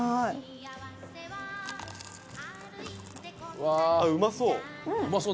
うわうまそう。